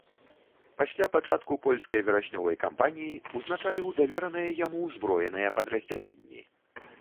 Пасля пачатку польскай вераснёвай кампаніі узначаліў давераныя яму ўзброеныя падраздзяленні.